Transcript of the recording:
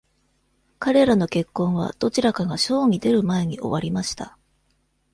彼らの結婚はどちらかがショーに出る前に終わりました。